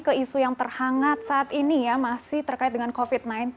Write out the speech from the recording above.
ke isu yang terhangat saat ini ya masih terkait dengan covid sembilan belas